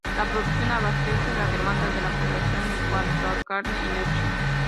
La producción abastece la demanda de la población en cuanto a carne y leche.